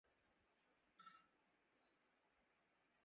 ہے خطِ عجز مَاو تُو اَوّلِ درسِ آرزو